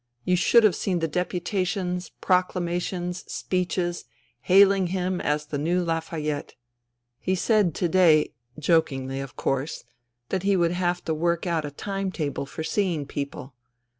You should have seen the deputa tions, proclamations, speeches, haiHng him as the new Lafayette. He said to day, jokingly of course, that he would have to work out a time table for seeing people.